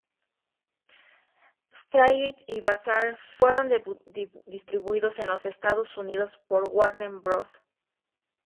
Straight y Bizarre fueron distribuidos en los Estados Unidos por Warner Bros.